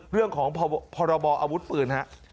เรื่องของพรบออาวุธปืนฮะ